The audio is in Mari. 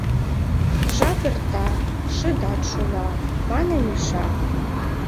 Жап эрта — шыдат шула, — мане Миша.